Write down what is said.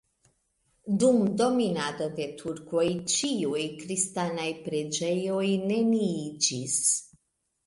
Dum dominado de turkoj ĉiuj kristanaj preĝejoj neniiĝis.